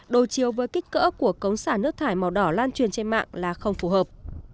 đầu chiếu với kích cỡ của cống xả nước thải màu đỏ lan truyền trên mạng là không phù hợp